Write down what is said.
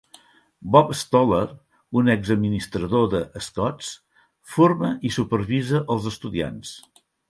Bob Stohler, un exadministrador de Scotts, forma i supervisa els estudiants.